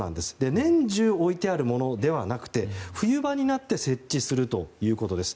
年中、置いてあるものではなくて冬場になって設置するということです。